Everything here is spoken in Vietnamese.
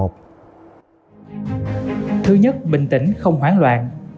thứ nhất bình tĩnh không hoảng loạn